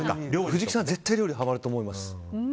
藤木さん、絶対料理にハマると思います。